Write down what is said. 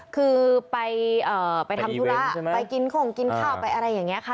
คือไปทำธุระไปกินข้งกินข้าวไปอะไรอย่างนี้ค่ะ